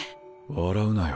笑うなよ。